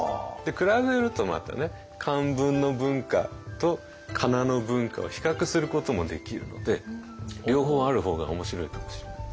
比べるとまたね漢文の文化とかなの文化を比較することもできるので両方ある方が面白いかもしれないですね。